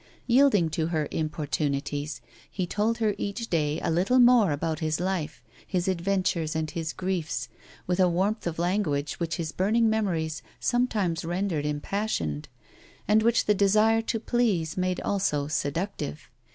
Yielding to her importunities, he told her each day a little more about his life, his adventures, and his griefs, with a warmth of language which his burning memories sometimes rendered impassioned, and which the desire to please made also seductive.